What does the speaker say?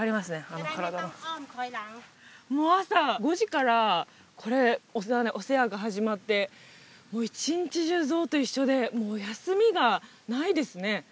あの体のもう朝５時からこれお世話が始まって一日中ゾウと一緒で休みがないですね